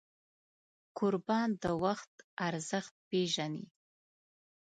کوربه د وخت ارزښت پیژني.